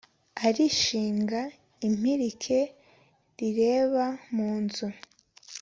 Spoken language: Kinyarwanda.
arishinga impirike rireba mu nzu